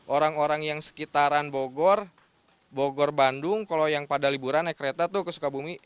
orang orang yang sekitaran bogor bogor bandung kalau yang pada liburan naik kereta tuh ke sukabumi